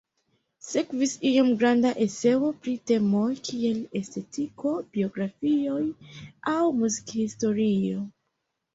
Sekvis iom granda eseo pri temoj kiel estetiko, biografioj aŭ muzikhistorio.